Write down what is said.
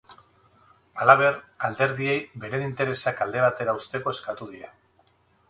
Halaber, alderdiei beren interesak alde batera uzteko eskatu die.